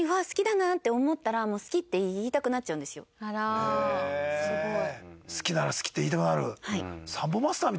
あらすごい。